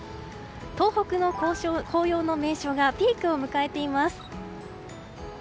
東北の紅葉の名所がピークを迎えています。